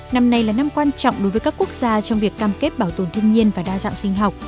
năm nay là năm quan trọng đối với các quốc gia trong việc cam kết bảo tồn thiên nhiên và đa dạng sinh học